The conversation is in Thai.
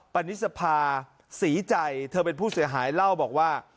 ปนิสภาศรีใจเธอเป็นผู้เสียหายเล่าบอกว่า